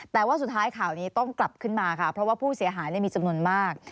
แต่ว่าสุดท้ายข่าวนี้ต้องกลับขึ้นมาค่ะเพราะว่าผู้เสียหายมีจำนวนมาก